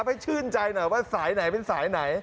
ให้ชื่นใจหน่อยว่าสายไหนเป็นสายไหน